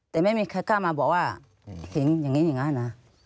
แต่ไม่มีใครกล้ามาบอกว่าเห็นอย่างนี้อย่างนั้นนะ